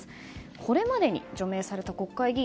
これまでに除名された国会議員